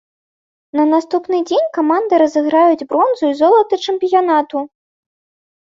На наступны дзень каманды разыграюць бронзу і золата чэмпіянату.